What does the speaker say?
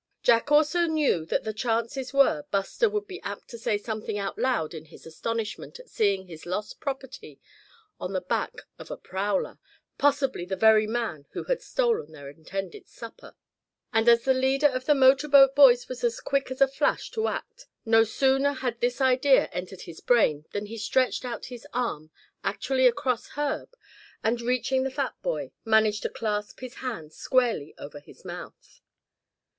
Jack also knew that the chances were Buster would be apt to say something out loud in his astonishment at seeing his lost property on the back of a prowler, possibly the very man who had stolen their intended supper. And as the leader of the motor boat boys was as quick as a flash to act, no sooner had this idea entered his brain than he stretched out his arm actually across Herb, and reaching the fat boy, managed to clasp his hand squarely over his mouth.